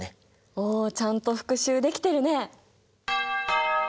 おおちゃんと復習できてるね。